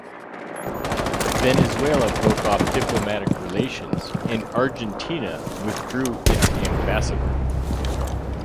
Venezuela broke off diplomatic relations, and Argentina withdrew its ambassador.